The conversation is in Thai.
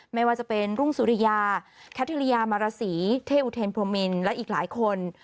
ไม่ว่าจะเป็นรุ่งสุริยาแคทริยามารสีเท่อุเทนพรมินและอีกหลายคน